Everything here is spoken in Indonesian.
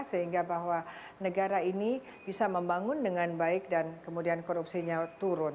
sehingga bahwa negara ini bisa membangun dengan baik dan kemudian korupsinya turun